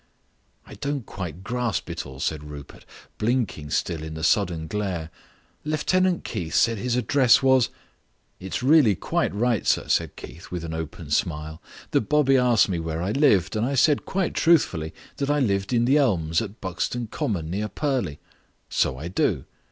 "I don't quite grasp it all," said Rupert, blinking still in the sudden glare. "Lieutenant Keith said his address was " "It's really quite right, sir," said Keith, with an open smile. "The bobby asked me where I lived. And I said, quite truthfully, that I lived in the elms on Buxton Common, near Purley. So I do.